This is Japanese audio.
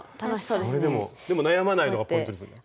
でも悩まないのがポイントですよね。